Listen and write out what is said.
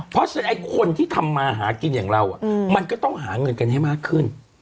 เพราะฉะนั้นไอ้คนที่ทำมาหากินอย่างเรามันก็ต้องหาเงินกันให้มากขึ้น